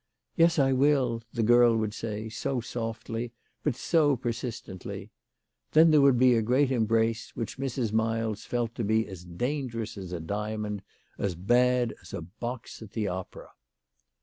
" Yes ; I will," the girl would say, so softly, but so per sistently! Then there would be a great embrace, which Mrs. Miles felt to be as dangerous as a diamond, as bad as a box at the opera.